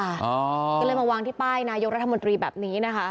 ก็เลยมาวางที่ป้ายนายกรัฐมนตรีแบบนี้นะคะ